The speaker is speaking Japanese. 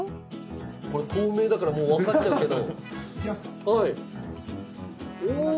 これ透明だからもうわかっちゃうけど。いきます。